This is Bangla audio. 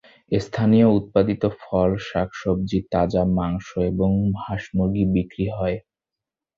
স্থানীয় উৎপাদিত ফল, শাকসবজি, তাজা মাংস এবং হাঁস-মুরগি বিক্রি হয়।